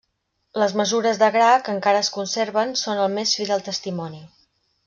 Les mesures de gra, que encara es conserven, són el més fidel testimoni.